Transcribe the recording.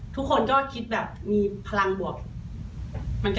ดีใจที่เราสามารถเก็บ๓แต้มได้